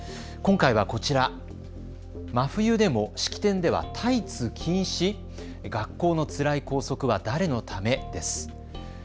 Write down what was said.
今回はこちら、真冬でも式典ではタイツ禁止、学校のつらい校則は誰のため？です。